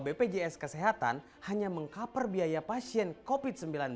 bpjs kesehatan hanya mengkaper biaya pasien covid sembilan belas